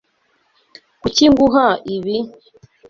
Kuki nguha ibi?